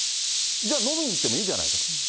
じゃあ、飲みに行ってもいいじゃないかと。